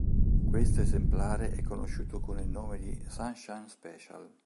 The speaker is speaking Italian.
Questo esemplare è conosciuto con il nome di "Sunshine Special".